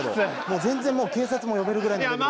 もう全然もう警察も呼べるぐらいのレベル。